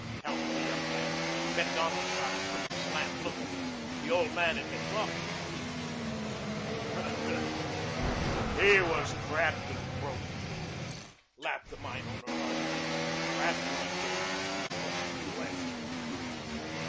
countered the young man. Macdonald shot a quick, slant look at him. The old man had been talking, had he? "He was cracked and broke too," laughed the mine owner hardily. "Cracked when he came, broke when he left."